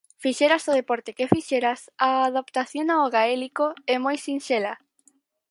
Fixeras o deporte que fixeras, a adaptación ao gaélico é moi sinxela.